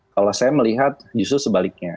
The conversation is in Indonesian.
kalau saya melihat justru sebaliknya